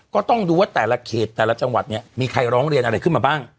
ก็ต้องดูว่าแต่ละเขตแต่ละจังหวัดเนี่ยมีใครร้องเรียนอะไรขึ้นมาบ้าง